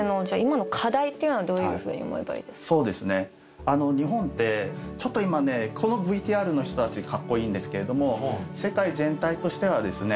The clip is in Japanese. そうですね日本ってちょっと今ねこのＶＴＲの人たちかっこいいんですけれども世界全体としてはですね